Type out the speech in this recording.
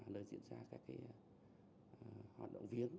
nơi diễn ra các hoạt động viếng